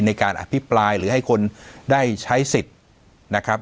ในการอภิปรายหรือให้คนได้ใช้สิทธิ์นะครับ